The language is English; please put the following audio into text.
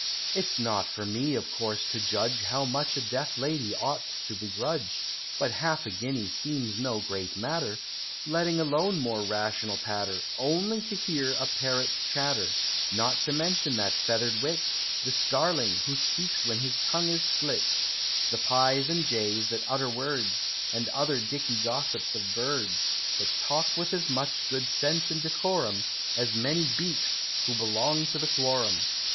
It's not for me, of course, to judge How much a Deaf Lady ought to begrudge; But half a guinea seems no great matter Letting alone more rational patter Only to hear a parrot chatter: Not to mention that feather'd wit, The Starling, who speaks when his tongue is slit; The Pies and Jays that utter words, And other Dicky Gossips of birds, That talk with as much good sense and decorum, As many Beaks who belong to the quorum.